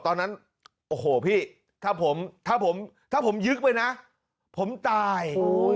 ตอนนั้นโอ้โหพี่ถ้าผมถ้าผมยึกไปนะผมตาย